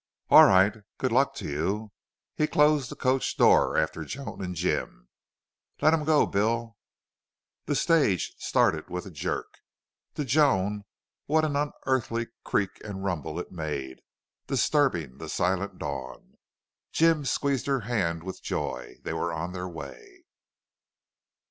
"All right. Good luck to you." He closed the coach door after Joan and Jim. "Let 'em go, Bill." The stage started with a jerk. To Joan what an unearthly creak and rumble it made, disturbing the silent dawn! Jim squeezed her hand with joy. They were on the way!